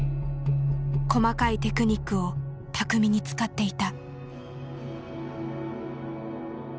細かいテクニックを巧みに使っていた。